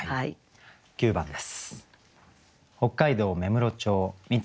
９番です。